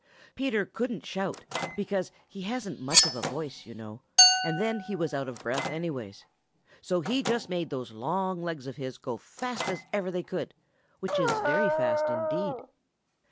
Peter couldn't shout, because he hasn't much of a voice, you know, and then he was out of breath, anyway. So he just made those long legs of his go as fast as ever they could, which is very fast indeed.